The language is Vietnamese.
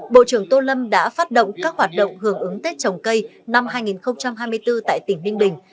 bộ trưởng tô lâm đã phát động các hoạt động hưởng ứng tết trồng cây năm hai nghìn hai mươi bốn tại tỉnh ninh bình